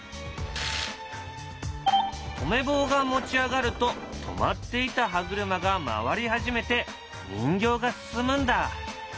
止め棒が持ち上がると止まっていた歯車がまわり始めて人形が進むんだ。